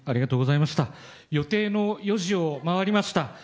予定の４時を回りました。